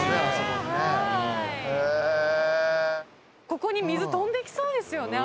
ここに水飛んできそうですよね